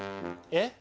えっ？